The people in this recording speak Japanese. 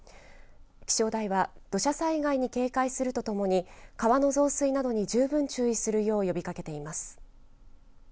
気象台は土砂災害に警戒するとともに川の増水などに十分注意するよう呼びかけています。